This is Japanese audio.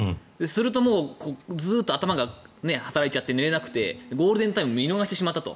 すると、ずっと頭が働いちゃって寝れなくてゴールデンタイムを見逃してしまったと。